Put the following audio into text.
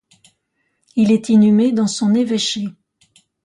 Il est inhumé dans son évêché.